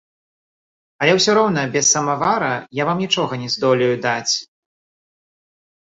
Але ўсё роўна без самавара я вам нічога не здолею даць.